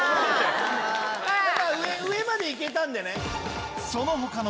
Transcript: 上まで行けたんでね。